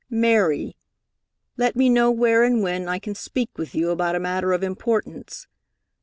"Mary," let me know where and when I can speak with you about a matter of importance.